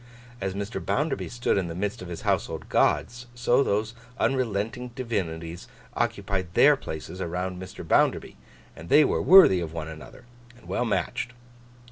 As Mr. Bounderby stood in the midst of his household gods, so those unrelenting divinities occupied their places around Mr. Bounderby, and they were worthy of one another, and well matched.